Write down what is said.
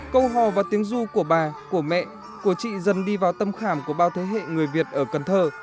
câu hò và tiếng du của bà của mẹ của chị dần đi vào tâm khảm của bao thế hệ người việt ở cần thơ